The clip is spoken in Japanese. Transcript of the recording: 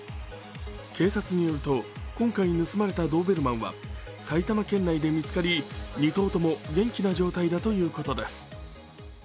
警察によると今回盗まれたドーベルマンは埼玉県で見つかり２頭とも元気な状態だということです。